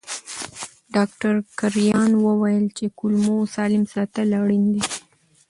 ډاکټر کرایان وویل چې کولمو سالم ساتل اړین دي.